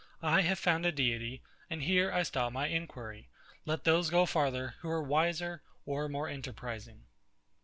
I have found a Deity; and here I stop my inquiry. Let those go further, who are wiser or more enterprising.